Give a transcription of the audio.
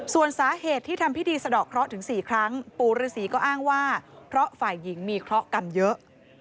ส่วนสาเหตุที่ทำพิธีสะดอกเคราะห์ถึง๔ครั้งปู่ฤษีก็อ้างว่าเพราะฝ่ายหญิงมีเคราะห์กรรมเยอะ